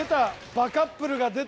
バカップルが出た！